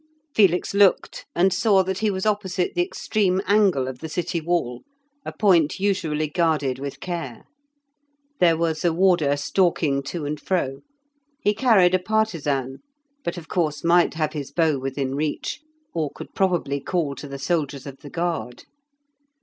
Felix looked, and saw that he was opposite the extreme angle of the city wall, a point usually guarded with care. There was a warder stalking to and fro; he carried a partisan, but, of course, might have his bow within reach, or could probably call to the soldiers of the guard.